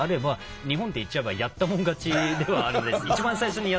日本って言っちゃえばやったもん勝ちではあるんで。